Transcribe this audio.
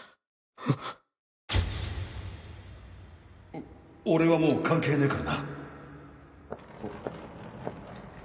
お俺はもう関係ねかあ？